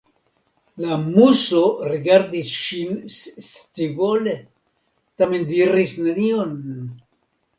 La Muso rigardis ŝin scivole, tamen diris nenion.